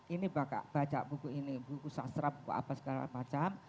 ini baca buku ini buku sastra buku apa segala macam